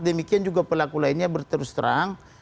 demikian juga pelaku lainnya berterus terang